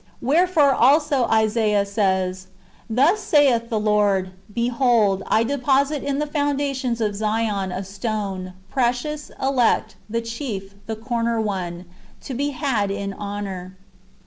Wherefore also Isaiali says: '^ Thus saith the Lord, Behold, I deposit in the foundations of Zion a stone, precious, elect, the chief, the corner one, to be had in honour."